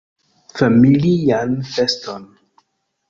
Familian feston!